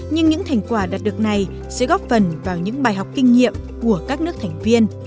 nhưng những thành quả đạt được này sẽ góp phần vào những bài học kinh nghiệm của các nước thành viên